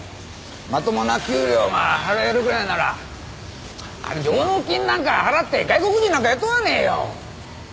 まともな給料が払えるぐらいなら上納金なんか払って外国人なんか雇わねえよ！